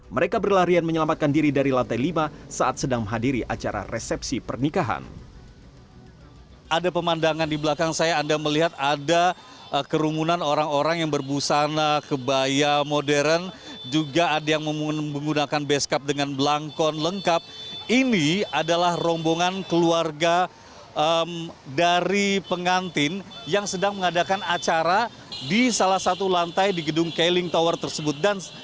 mereka berlarian menyelamatkan diri dari lantai lima saat sedang menghadiri acara resepsi pernikahan